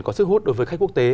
có sức hút đối với khách quốc tế